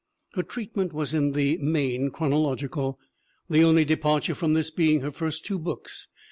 Her treatment was in the main chronological, the only departure from this being her first two books.